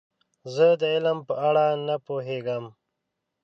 زه د علم په اړه نه پوهیږم.